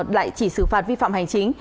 lại chỉ xử phạt vi phạm hành chính